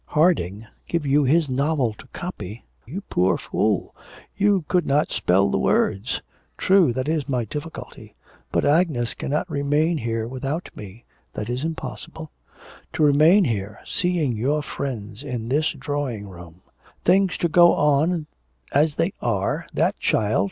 ... Harding give you his novel to copy.... You poor fool, you could not spell the words.' 'True, that is my difficulty.... But Agnes cannot remain here without me. That is impossible. To remain here, seeing your friends in this drawing room! things to go on as they are! that child!